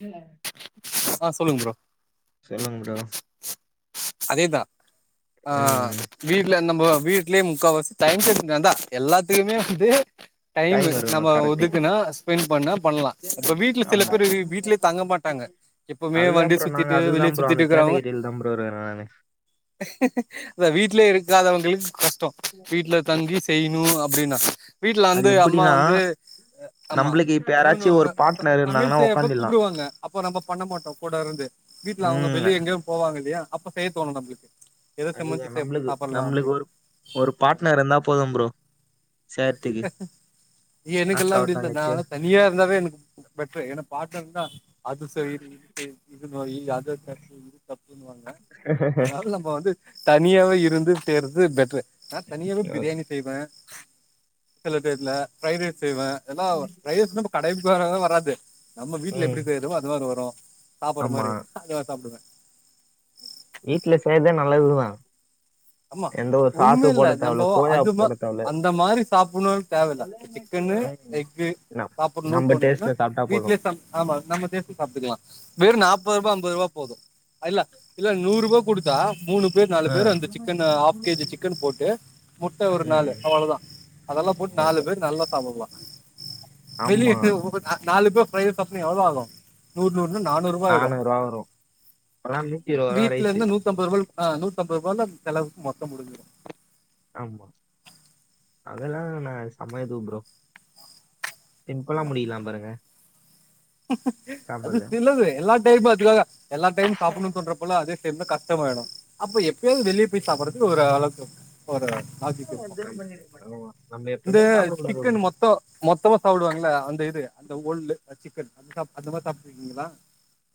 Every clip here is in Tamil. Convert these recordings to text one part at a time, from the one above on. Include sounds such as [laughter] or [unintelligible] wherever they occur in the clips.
[unintelligible] ஆ சொல்லுங்க ப்ரோ சொல்லுங்க மேடா [inaudible] அதேதான் ஆங் ம் வீட்டுலந்தம் ப்போ வீட்லேயே முக்காவாசி டைம் சங்க தான்டா எல்லாத்துக்குமே வந்து டைம் இருக்கணு நம்ம கரெக்ட்டு ஒதுக்குனா ஸ்பெண்ட் பண்ணா பண்லா இப்ப வீட்டுல சில ஆமா பேரு வீட்லயே தங்க மாட்டாங்க எப்பவுமே அதுதா வண்டிய ப்ரோ நாங்க சுத்திட்டு அதுதா வெளிய ப்ரோ சுத்திட்டு அந்த இருக்கிறவங்க கேட்டகிரில தா ப்ரோ இருக்கே நானு அத வீட்லயே இருக்காதவங்களுக்கு கஷ்டம் வீட்டுல தங்கி செய்யணு அப்டின்னா வீட்டுல வந்து அது அம்மா எப்டின்னா வந்து அம்மா நம்பளுக்கு இப்ப ஏதோ யாராச்சு ஒன்னு ஒரு பார்ட்னர் சமையல் இருந்தாங்கன்னா செய்யப்ப உக்காந்திட்லா கூப்டுவாங்க அப்போ நம்ம பண்ணமாட்டோம் கூட இருந்து வீட்டுல அவுங்க ம் வெளியே எங்கேயும் போவாங்க இல்லையா அப்ப செய்ய தோணும் நம்க்கு அதுதான் நம்மளுக்கு நம்மளுக்கு ஒரு ஒரு பார்ட்னர் இருந்தா போதும் ப்ரோ செய்றதுக்கு எனக்குல்லாம் அக்காவோ அப்படி இல்லை நா தங்கச்சியோ எல்லாம் தனியா இருந்தாவே எனக்கு பெட்டரு என்ன [unintelligible] அது செய் இது செய் [unintelligible] அத தட்டு இத தட்டு சொண்ணுவாங்க அதனாவது நம்ம வந்து சனியாவே இருந்து செய்றது பெட்ரு நா தனியாவே பிரியாணி செய்வே சில டைம்லா ப்ரைடு ரைஸ் செய்வே எல்லாவ் ஃப்ரைடு ரைஸ் [unintelligible] கடை வேற எதுவு வராது நம்ம வீட்டுல ம் எப்படி செய்யரோமோ அது மாரி வரும் சாப்படுற ஆமா மாரி அதா சாப்பிடுவே வீட்டுல செய்றதே நல்லதுதா ஆமா எந்த ஒரு சாசு ஒண்ணுமே இல்ல போட தேவல்ல நம்ம சோயா அதுமா போட தேவல்ல அந்த மாரி சாப்பிடணும்னு தேவல சிக்கன்னு ம் எக்கு நம் சாப்பிடணும்னு நம்ப தோணிச்சுன்னா டேஸ்ட்ல சாப்ட்டா போது வீட்லயே ஆமா நம்ம டேஸ்ட்க்கு சாப்பிட்டுக்கலாம் வெற நாப்பது ரூபா ஐம்பது ரூபா போதும் அல்ல இல்ல நூரு ரூபா குடுத்தா மூணு பேர் நாலு ஆ, பேர் அந்த சிக் ம், chicken half K G chicken போட்டு முட்டை ஒரு நாலு அவ்வளோதா அதெல்லாம் போட்டு நாலு அவ்வளவுதான். பேர் நல்லா சாப்புடுலா ஆமா [unintelligible] நாலு பேர் பிரைடு ரைஸ் எவ்வளோ ஆகும் நூறு நூறு வந்து நானூறு ரூபாயாயிடும் ரூபா வரும் இப்பெல்லாம் நூத்தி இருபது ரூபா வீட்டில ரைஸ் இருந்து நூத்தி ஐம்பது ரூபாய்க் ஆஹ நூத்தம்ரூபானா செலவுக்கு மொத்தம் முடிஞ்சிடும் ஆமா அதெல்லா நா செமைய செய்வ ப்ரோ பின்பல்லாம் ஆமா முடிதா பாருங்க அது சாப்பிடுறது சிலாது எல்லா தேய் பாத்துக்காக எல்லா டைம் சாப்பிடணு தோன்றப்பலா அதே டைம்ல கஷ்டமாயிடும் அப்ப எப்பாவது வெளிய எப்புடி சாப்புடுறது ஒரு அளவுக்கு ஒரு ஆட்டு இருக்கும் ஆமா, நம்ம இந்த எப்பவுமே சாப்பிடக்கூடாது சிக்கன் ப்ரோ மொத்தம் மொத்தவ சாப்பிடுவாங்கள அந்த இது அந்த ஓரு சிக்கன் அது சா அந்த மாரி சாப்பிட்டுருக்கீங்களா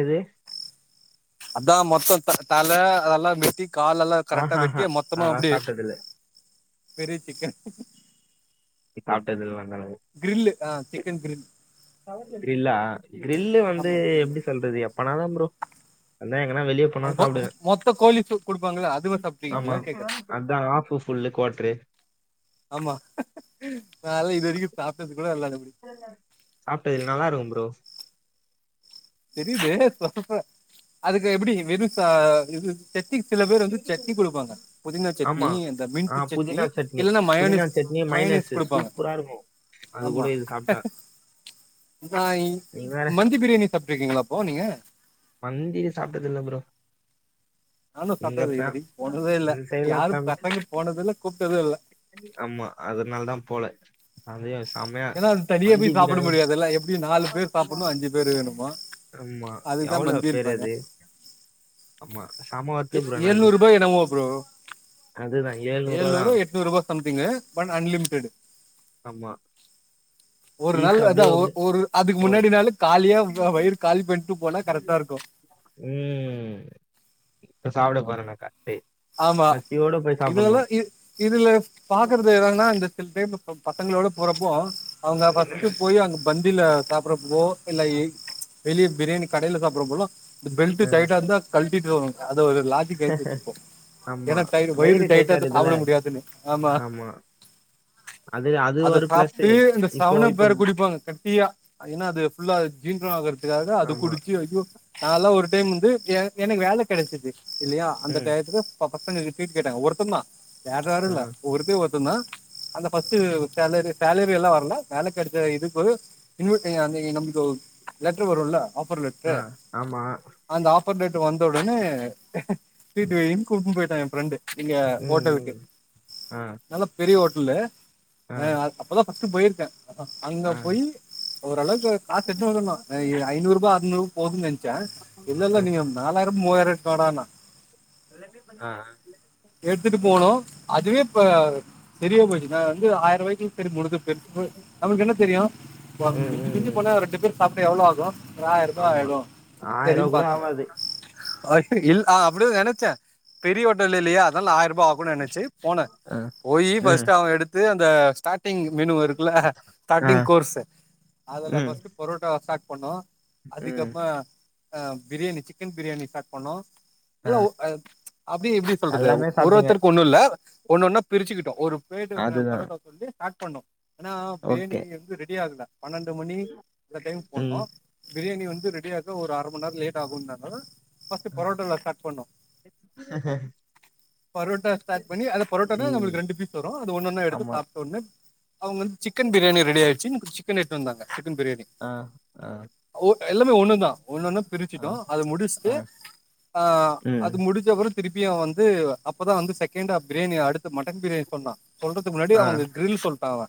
எது அத மொத்த தழ அதல்லாம் வெட்டிக் கால எல்லாம் கரெக்டா ஆஹா வெட்டி அதெல்லாம் மொத்தமாஅப்படியே சாப்பிட்டது இல்ல வெறு சிக்கன் சாப்பிட்டல்லனா கிரில் ஆ சிக்கன் கிரில் கிரில்லா கிரில்லு வந்து ஆமா கிரில் எப்டி சொல்றது எப்பனாலு ப்ரோ அதான் எங்கன்னா வெளியே போனா அது மொத் சாப்பிடுவேன் மொத்த கோழி தூக் குடுப்பாங்களா அதுவே சாப்பிட்டு ஆமா இருக்கீங்கள கேக்ற அதான் ஆஃப் ஃபுல்லு குவார்டரு ஆமா நால இது வரைக்கு சாப்ட்டது கூட இல்ல சாப்ட்டதில்ல நல்லா இருக்கும் ப்ரோ [unintelligible] தெரியுது சொசச அதுக்கு எப்டி வெருசா இது செத்திக் சில பேர் வந்து ப்ரோ சட்னி குடுப்பாங்க புதினா ஆமா சட்னி அந்த ஆ மின்ட் சட்னி புதினா இல்லன்னா புதினா மயனீஸ் சட்னி மைனஸ் மயனீஸ் குடுப்பாங்க சூப்பரா இருக்கும் அது கூட ஆமா இது சாப்பிட்டா நா இங் நீங்க வேற மந்தி பிரியாணி இருக்கீங்களாப்போ நீங்க மந்தி சாப்ட்டதுல்ல ப்ரோ நானு எங்க சாப்ட்டது இது ஃபேம் வரைக்கு போனதே இல்ல இந்த சைட்லாம் யாரும் ஃபேமஸ் பசங்க போனது இல்ல கூப்ட்டது இல்ல ஆமா அதனாலதா போல அதே யோசி ஏனா அது தனியா போய் சாப்பிட முடியாதுல்ல எப்படி நாலு பேர் சாப்புடனு அஞ்சு பேரு வேணும்பா ஆமா அதுக்தா எவ்வளோ பேர் மந்தின்பாங்க அது ஆமா செம ஒர்த்து ப்ரோ ஆனா அது எழுநூறுபாய் என்னமோ ப்ரோ அதுதான் ஏழ்நூறு ரூபா ஏழுநூறு தான் எட்நூறுவா சம்திங் பன் அன்லிமிட்டடு ஆமா ஒரு பீஸ் நாள் அதா ஒ ஒரு அதுக்கு முன்னாடி நாள் கா உம் இருக்கு இப்ப சாப்ட போறன ஆமா இதுலல்லா சாப்பிடணும் இ இதுல பாக்குறது எதான்னா இந்த சில டைம் சோ பசங்ளோட போறப்போ அவங்க ஃபஸ்ட் போய் அங்க பந்தில சாப்பட்றப்போ இல்ல எ வெளிய பிரியாணி கடைல சாப்படும்போதுலா ந்த பெல்ட் ஆ, டைட்டாருந்தா கழ் ட்டிட்டுதா வருவாங் அது ஒரு லாஜிக் ஆயி போச்சு இப்போ ஆமா ஏன்னா டை வயிறு டைட்டா டைட்டாருந்தா இருக்குதுல சாப்ட முடியாதுன்னு ஆமா அது அது அத ஒரு ப்ளஸ்ஸு. சாப்ட்டு இந்த இப்போ செவனப் இப்போ வேற குடிப்பாங்க கட்டியா ஏன்னா அது ஃபுல்லா ஜீர்ணம் ஆகுறதுக்காக அது ஆமா. குடிச்சு ஐயோ நாலா ஒரு டைம் வந்து எ எனக்கு வேல கெடச்சுது துல்லயா அந்த ம். டயத்துல ப பசங்க ட்ரீட் கேட்டாங்க ஒருத்தந்தா வேற ஆ. யாருல்ல ஒருத்தே ஒரு தந்தா அந்த ஃபஸ்ட்டு சேலரி சேலரி எல்லா வரல வேல கெட த இது போக இன்வ் [unintelligible] நம்ளுக்கு லெட்டர் வருல ஆஃபர் லெட்ரு ஆ. ஆமா. அந்த ஆஃப் ஓப்பன் டேட் வந்த உடனே ட்ரீட்டு வைனு கூப்புனு போய்ட்டா என் ஃப்ரெண்டு ச் இங்க ம். ஹோட்டலுக்கு ம். ஆ. நல்லா பெரிய ஹோ ல்லு ஆ. ஆஹ் அப்ப தா ஃபஸ்ட் போய்ருக்கே ஆமா அங்க ஆ. போய் ஒரு அளவுக் கு காசு எட்டுனு வல்லனே ஐ ஐநூறு ருபா அறுநூறு போதுன்னு நென ச்சே ஆ. இல்லல்ல நீங்க நாலாய் மூவாயிருவா எட்டு வாடான்னா ஆ. எடுத்துட்டு போனும் அதுவே ப்ப தெரியாம போய்ருச்சு நான் வந்து ஆயிர அவங்கிட் திரு முடுஞ்சும் [inaudible] அவனுக்கு என்ன தெரியும் [unintelligible] ம். ம். மிஞ்சி மிஞ்சி ம். போனா ஒரு ரெண்டு பேர் சாப்ட எவ்ளோ ஆகும் ஒரு ஆயரூபா ஆமா. ஆய்டும் ரூ. சரின்னு கூட பாத்தேன் ஆவாது. அ இல் ஆ அப்டி தா நெனச்சே பெரிய ஹோட்டல் இல்லையா அதால ஆயிர பா ஆகுனு நெனச்சு போனே ஆ. போயி ம். ஃபர்ஸ்ட் அவ எடுத்து த ஸ்டார்ட் டிங் மெனு இருக்குல ஆ. ஃஸ்டார்டிங் கோர்ஸ் அதுல ம். ஃபர்ஸ்டு புரோட்டாவ ஸ்டார்ட் பொண்ணும் ம். அதிகமா ஆஹ் பிரியாணி சிக்கன் பிரியாணி பேக் பண்ணோம் ஆ. எல்லாம் ஓ அஹ் அப்டியே எப்டி சொல்றது எல்லாமே ஒரு சாப்பிட்டீங்க. ஒருத்தருக்கு ஒண்ணும் இல்ல ஒண்ணு ஒன்னா பிரிச்சுக்கிட்டோம் ஒரு ப்லேட்டு அதுதான். பரோட்டா சொல்லி ஸ்டார்ட் பண்ணோம் ஆனா பேனி ஓகே. வந்து ரெடி ஆகல பன்னெண்டு மணி இந்த டைம்க்கு ம். போனோம் பிரியாணி வந்து ரெடி ஆக ஒரு அர மணி நேரம் லேட் ஆகுன்னாங்க பஸ்ட் பரோட்டோலா ஸ்டார்ட் பண்ணோ பரோட்டா ஸ்டார்ட் பண்ணி அத பரோட்டானா ம். நம்ளுக்கு ரெண்டு பீஸ் வரோ அது ஒண்ணுண்ணு எடுத்து ஆமா. சாப்ட்ட ஒன்னே அவுங்க வந்து சிக்கன் பிரியாணி ரெடி ஆயிச்சு சிக்கன் எடுத்துட்டு வந்தாங்க சிக்கன் பிரியாணி ஆ. ஆ. எல்லாமே ஒன்னு தா ஒன்னென்னா ஆ. பிரிச்சிட்டோ அத முடிச்சுட்டு ஆ. ம். அது முடிச்சு திருப்பியு வந்து அப்பதா வந்து செகண் ஃப் பிரியாணி அடுத்து மட்டன் பிரியாணி சொன்னா சொல்றதுக்கு முன்னாடி ஆ. அவுங்க கிரில் சொல்லிட்டா அவே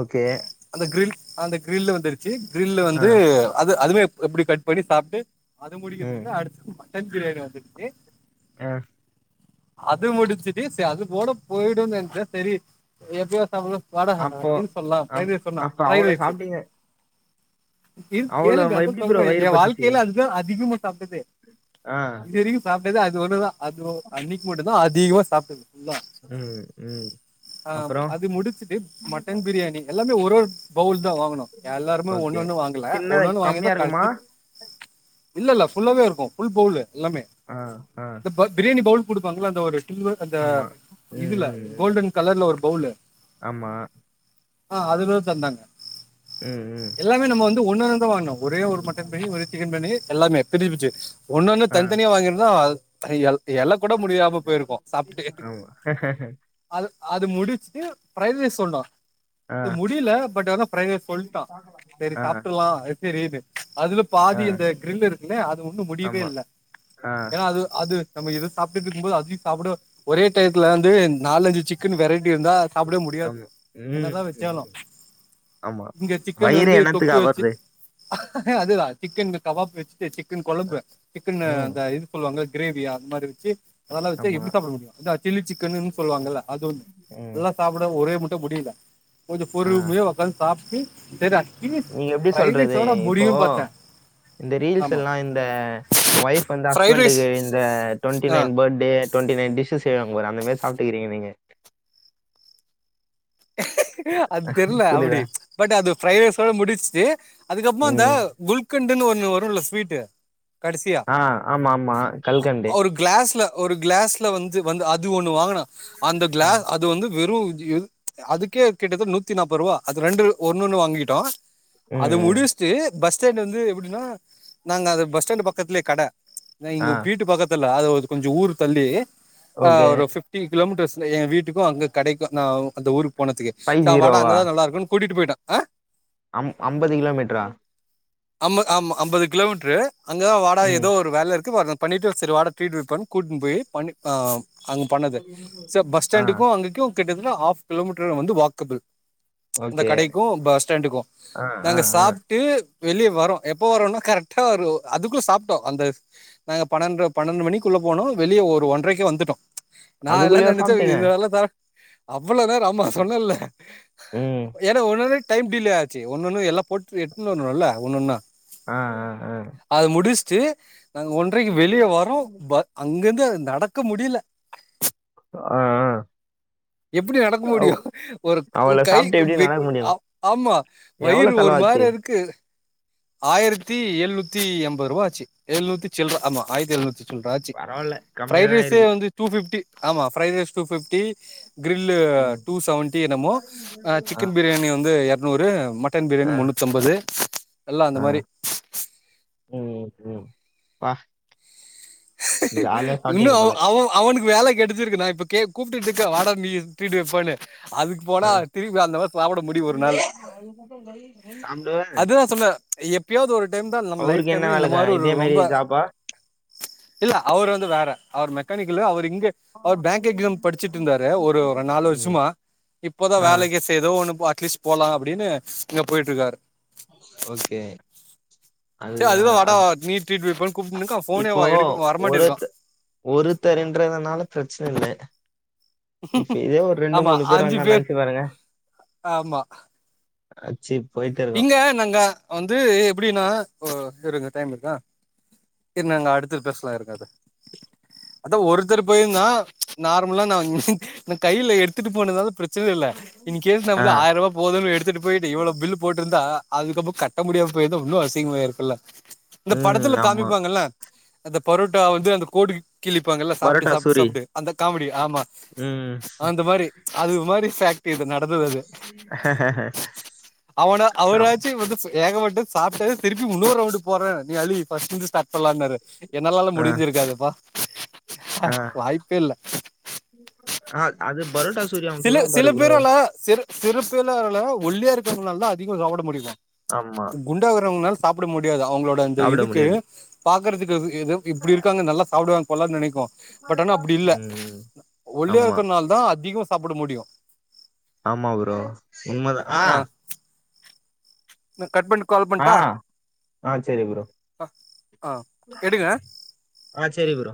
ஓகே அந்த கிரில்லு வந்துருக் க் கிரில் ஆ. வந்து அது அதுவே எப்டி கட் பண்ணி சாப்ட்டு அது ம். முடிக்கறதுகுல்ல அடுத்து மட்டன் மட்டன் பிரியாணி வந்துடுச்சு ஆஹ அது முடிச்சிட்டு சேரி அது போட போயிடும்னு நெச்ச சேரி எப்யோ சபடோ வாடக ஹா அப்போ யூஸ் பண்ணலா அப் ஃப்ரைட் ரைஸ் சொன்னா அப்ப ஃப்ரைட் அவ்ளோ ரைஸ்ஸு சாப்பிட்டீங்க. இது அவ்ளோ கேளுங்க அத்தா எப்டி ப்ரோ சொல்றே வயிறு என் பத்துச்சு வாழ்க்கையில அதுதா அதிகமா சாப்டதே ஆ இது வரைக்கும் சாப் எது அது அதுதா அதுவூ அன்னிக்கு மட்டுதா நா அதிகமா சாப்டது ம் ம் ஆஹ் அப்றோ அது முடிச்சுட்டு மட்டன் பிரியாணி எல்லாமே ஒரு ஒரு பவுல் தா வாங்கணோ எல்லாரு ஒன்னு ஓகே ஒன்னு வாங்கல ஒன்னு சின்னது ஒன்னு வாங்கிருந்தா கம்மியா கழ இருக்குமா இல்ல இல்ல ஃபுல்லாவே இருக்கும் ஃபுல் பவுல் எல்லாமே ஆ ஆ இந்த பிரியாணி பவுல் குடுப்பாங்கல்ல அந்த ஒரு சில் அந்த ஆமா ம் இதுல ம் ம் கோல்டன் கலர்ல ஒரு போவுலு ஆமா ஆஹ் அதுல தந்தாங்க ம் ம் எல்லாமே நம்ம வந்து ஒன்னாருந்தா வாங்குணோ ஒரே ஒரு மட்டன் பிரியாணி ஒரே சிக்கன் பிரியாணி எல்லாம பிரிப்பிரிச்சி ஒன்னொன்னு ஆ தனித் தனியா வாங்கியிருந் ஆஹ் [unintelligible] இல கூட முடியாம போயிருக்கோ சாப்டுட்டு ஆமா அது அது முடிச்சிட்டு ஃப்ரைட் ரைஸ் சொன்னோ ஆ இது முடியல பட் அதான் ஃப்ரைட் ரைஸ் சொல்லிட்டான் சரி ஆ சாப்பிட்ரலாம் அது சரி அதுல பாதி ஆ இந்த கிரில் இருக்குல்லே அது ஒன்னும் முடியவே ஆமா இல்ல ஆ அது நம்ம எத சாப்பிட்டு இருக்கும்போது அதயும் சாப்பிட ஒரே டையத்ல வந்து நாலஞ்சு சிக்கன் வெரைட்டி இருந்தா சாப்பிட முடியாது ஆமா ம் என்னதான் ம் வெச்சாலும் ம். ஆமா இங்க சிக்கன் வயிறு வந்து தொக்கு என்னத்துக்கா வெச்சு வருது அதுதான் சிக்கன் கபாப் வெச்சு சிக்கன் கொழம்பு சிக்கன் ம் அந்த இது உங்க கிரேவியா அந்த மாதிரி அதெல்லாம் வெச்சா ஆமா எப்படி சாப்பிடறது சில்லி சிக்கன்னு சொல்லுவாங்கல்ல ம் எல்லாம் சாப்பிட ஒரே முட் முடில கொஞ்சம் ஆ பொறுமையா உக்காந்து சாப் வி நீங்க எப்படி சொல்றது இப்போ முடியு பாத்தே இந்த ரீல்ஸ் ஆமா எல்லாம் இந்த வைஃப் வந்தா ஃப்ரைட் ரைஸ் ஃப்ரெண்ட்டுக்கு இந்த டுவெண்டி ஆ nine birthday twenty nine dish செய்வாங்க அந்த மாதிரி சாப்பிட்டுருக்கீங்க நீங்க அது தெரியல அப்படி புரியுதா பட் அது ஃபிரைட் ரைஸோட முடிச்சிட்டு அதுக்கப்புறம் அந்த ம் குல்கண்ட இன்னும் ஒண்ணு வரும்ல ஸ்வீட்டு கடைசியா ஆ ஆமா ஆமா கல்கண்டு ஒரு கிளாஸ்ல ஒரு கிளாஸ்ல வந்து வந்து அது ஒண்ணு வாங்கினா அந்த ஆ கிளாஸ் அது வந்து வெறும் [unintelligible] அதுக்கே கிட்டத்தட்ட நூத்தி நாற்பது ரூபா அது ரெண்டு ஒன்னு ஒன்னு வாங்கிட்டோம் அது ம் ம். முடிச்சிட்டு பஸ் ஸ்டா வந்து எப்படினா நாங்க அந்த பஸ் ஸ்டாண்டு் பக்கத்திலயே கட நான் ஆ இங்க வீட்டு பக்கத்துல் அதாவது கொஞ்சம் ஊரு தள்ளி ஓகே ஆஹ் ஒரு ஃபிப்டி கிலோமீட்டர்ஸ் எ வீட்டுக்கும் அங்க கடைக்கும் நான் அந்த ஒரு போனதுக்கு ஃபைவ் வட ஜீரோவா அங்கதான் நல்ல இருக்கும்ன் கூட்டிட்டு போய்ட்டா அஹ் அம் ஐம்பது கிலோ மீட்டரா அம்ப ஆமா ஐம்பது கிலோமீட்டரு அங்கதான் வாடா ம் ஏதோ ஒரு வேல இருக்கு பண்ணிட்டு சரி வாடா ட்ரீட் வெப்பண் கூட்டு போய் ப ஈ ப அங்க பண்ணது ச பஸ் ஆ ஸ்டாண்டுக்கும் அங்கக்கும் த்துல ஆஃப் கிலோமீட்டர் வந்து வாக்கபிள் அந்த ஓகே கடைக்கும் பஸ் ஸ்டாண்டுக்கும் ஆ ஆ நாங்க ஆ சாப்ட்டு வெளியே வரோம் எப்போ வரோனா கரெக்டா ஒரு அதுக்குள்ள சாப்ட்டோம் அந்த நாங்க பன்னெண்டு பன்னெண்டு மணிக்குள்ள போனோம் வெளியே ஒரு ஒன்றரைக்கே வந்துட்டோம் நான் எல்லாம் அதுக்குள்ளேயே நினைச்ச சாப்பிட்டீங்க இதல்லாம் தர அப் இவளோ நேரம் ஆமா சொன்னல ம் ஏன்னா ஒனது டைம் டிலே ஆச்சு ஒன்ன ஒன்னு எல்லாம் போட்டு எடுத்துனு வரணுல்ல ஒன்னொன்னா ஆஹ் ஆஹ் ஆஹ் ச நாங்க ஒன்றைக்கு வெளியே வரோம் அங்கிருந்து நடக்க முடில ஆஹ்ஹ் எப்படி நடக்க முடியும் ஒரு அவளை கை சாப்பிட்டு எப்படி நடக்க முடியும் ஆமா எவ்வளோ வயிறு ஒரு செலவாச்சு மாதிரி இருக்கு ஆயிரத்தி எழுநூத்தி எண்பது ரூபா ஆச்சு எழுநூத்தி சில்ர ஆமா ஆயிரத்தி எழுநூத்தி சொல்ற ஆச்சி பரவாயில்ல கம்மியாக தான் ப்ரைட்ரைஸே இருக்கு வந்து டூ பிப்டி ஆமா fried rice two fifty grill ம் டூ செவன்டி என்னமோ ஆ சிக்கன் பிரியாணி வந்து எ நூறு மட் டன் ஆ பிரியாணி முன்னூத்தம்பது எல்லா அந்த மாரி உம் பா இன்னு அவ அவ அவனுக் வேலை கெடச்சிருக்கு நா இப்ப கே கூப்டுட்டு இருக்க வாடா நீயு ட்ரீட்டு வைப்பேன்னு அதுக்கு ஆ போனா திரும்பி அந்த மாரி சாப்பிட முடியு ஒரு நாளு சாப்டுவ அதுதா சொன்னே எப்பயாவது ஒரு டை அவருக்கு என்ன வேலைக இதே மாரி ஜாபா இல்ல அவர் வந்து வேற அவர் மெக்கானிக்கலு அவரு இங் அவர் பேங்க் எக்ஸாம் படிச்சிட்டு இருந்தாரு ஒரு ர நாலு ம் வருஷமா இப்பதா ஆ வேலைக்கு செ எதோ ஒன்னு பார் அட்லீஸ் போலா அப்டின்னு இங்க போய்ட்டு இருக்காரு ஓகே சே அதுதா வாடா நீ் ட்ரீட் வைப்பேன்னு கூப்ட்டுனுக்கா ஃபோனே இப்போ எடுக்க வரமாட்டிருக்கா ஒருத் ஒருதரின்றதுனால பிரச்சன இல்ல இப்ப இதே ஒரு ரெண்டு ஆமா மூணு பேர் அஞ்சு வந்தா நினச்சு பாருங்க ஆமா அச்சிவ் இங்க நாங்க வந்து எப்படினா ஓ இருங்க டைம் இருக்கா இரு நாங்க அடுத்தது பேசலா இருங்க அத அதா ஒருத்தர் போய்ருந்தா ச் நார்மலா நா நா கையில எடுத்துட்டு போனதால பிரச் சன இல்ல இன்கேஸ் நாம ஆ வந்து ஆய ரூபா போதுனு எடுத்துட்டு போயிட்டு இவ்ளோ பில்லு இருந்தா அதுக்கப்ப கட்ட முடியாம போய்ருந்தா உன்னு அசிங்கமா ஆயிருக்குல்ல இந்த ம் படத்துல ஆமா காமிப்பாங்கல்ல ப்ச் அந்த பரோட்டா வந்து அந்த கோடுக் கிழிப்பாங்க இல்ல சாப்ட்டு பரோட்டா சாப்ட்டு சூரி சாப்ட்டு அந்த காமெடி ஆமா ம் அந்த மாரி அது மாரி ச அவனா சாப் அவராச்சி வந்து ஏக மட்டு சாப்ட்டு திருப்பி உன்னோ ரவுண்டு போற நீ அலி ஃபஸ்ட்லிருந்து ஸ்டார்ட் பண்லானாரு என்னாலல்ல முடிஞ்சிருக்காதுப்பா அஹ வாய்ப்பே இல்ல அஹ அது பரோட்டா சூரி அவன் சொல்லுவான் பாரு ப்ரோ திருப்பி எல்லா வர்ல ஒல்லியா இருக் கிறவங்கனாலதா அதிகமா சாப்பிட முடியல ஆமா குண்டா வர்வங்கனால சாப்பட முடி கெடயாது அவங்களோட அந்த சாப்ட இதுக்கு முடியாது பாக்கறது எது எது இப்டி இருக்காங்க நல்லா சாப்படுவாங் போலா நெனைக்கு பட் ஆனா அப்டி இல்ல ம் ஒல்லியா ஆமா இருக்கனால் தா அதிகம் சாப் பிட முடியு ஆமா ப்ரோ உண்மதா ஆ கட் பண்ணி கால் ஆ பண்ட்டா ஆ சேரி ப்ரோ ஆ ஆ எடுங்க ஆ சேரி ப்ரோ